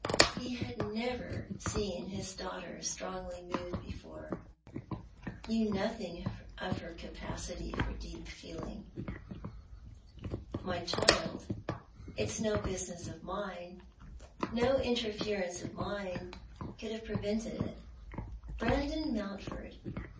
He had never seen his daughter strougly moved before— knew nothing of her capacity for deep feeling. " My child, it's no business of mine. No interference of mine could have prevented it. Brandon Mountford